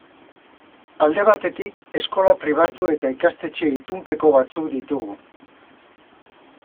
Alde batetik, eskola pribatu eta ikastetxe itunpeko batzuk ditugu.